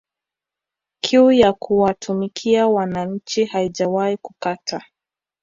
Kiu ya kuwatumikia wananchi haijawahi kukata